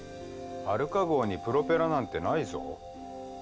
アルカ号にプロペラなんてないぞ。